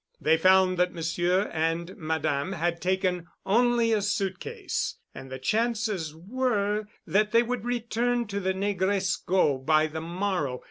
They found that Monsieur and Madame had taken only a suitcase and the chances were that they would return to the Negresco by the morrow.